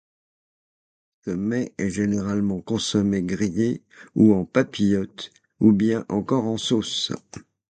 Ce mets est généralement consommé grillé, ou en papillote ou bien encore en sauce.